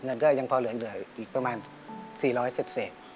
เงินก็ยังพอเหลืออีกประมาณ๔๐๐เสร็จ